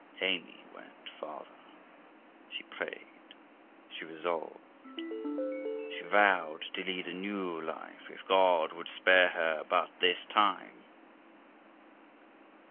Amy went farther; she prayed, she resolved, she vowed to lead a new life, if God would spare her but this time.